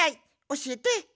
おしえて！